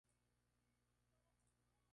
Pronto fue ascendido al rango de teniente.